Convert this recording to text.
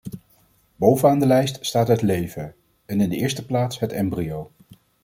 Bovenaan de lijst staat het leven, en in de eerste plaats het embryo.